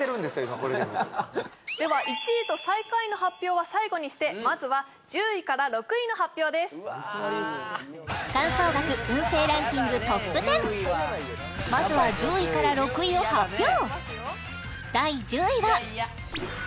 今これでもでは１位と最下位の発表は最後にしてまずは１０位から６位の発表ですまずは１０位から６位を発表